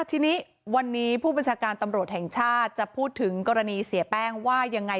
ทีนี้วันนี้ผู้บัญชาการตำรวจแห่งชาติจะพูดถึงกรณีเสียแป้งว่ายังไง